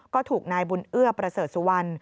ก็ถูกนายบุญเอื้อประเสริฐสุวรรณ